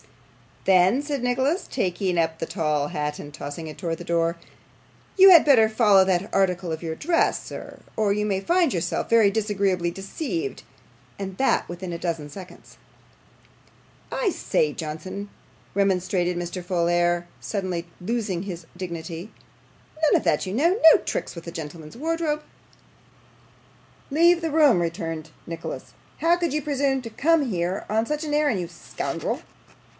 'Then,' said Nicholas, taking up the tall hat and tossing it towards the door, 'you had better follow that article of your dress, sir, or you may find yourself very disagreeably deceived, and that within a dozen seconds.' 'I say, Johnson,' remonstrated Mr. Folair, suddenly losing all his dignity, 'none of that, you know. No tricks with a gentleman's wardrobe.' 'Leave the room,' returned Nicholas. 'How could you presume to come here on such an errand, you scoundrel?